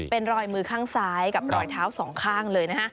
เป็นรอยมือข้างซ้ายกับรอยเท้าสองข้างเลยนะฮะ